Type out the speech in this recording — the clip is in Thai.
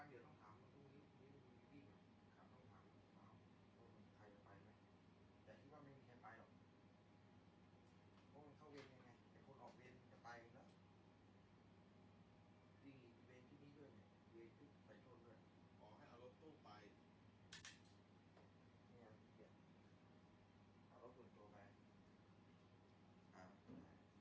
เราฝันิดอยู่ไม่ได้